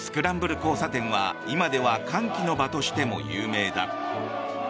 交差点は今では歓喜の場としても有名だ。